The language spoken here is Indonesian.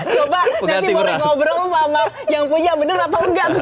coba nanti boleh ngobrol sama yang punya benar atau enggak tuh